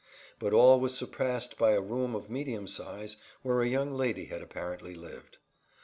But all was surpassed by a room of medium size where a young lady had apparently lived.